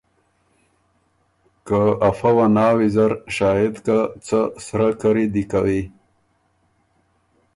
که افۀ وه نا ویزر، شاهد که څه سرۀ کری دی کوی